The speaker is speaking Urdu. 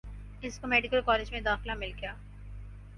اس کو میڈیکل کالج میں داخلہ مل گیا